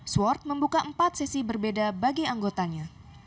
sward membuka empat sesi berbeda bagi anggotanya